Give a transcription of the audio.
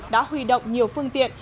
đã huy động nhiều phương tiện